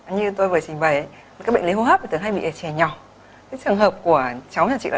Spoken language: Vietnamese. như tôi vừa trình bày